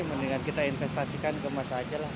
mendingan kita investasikan ke emas aja lah